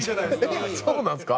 そうなんですか？